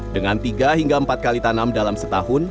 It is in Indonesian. dengan tiga hingga empat kali tanam dalam setahun